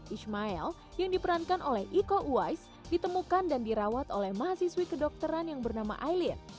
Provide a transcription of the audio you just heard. ismail yang diperankan oleh iko uwais ditemukan dan dirawat oleh mahasiswi kedokteran yang bernama aileen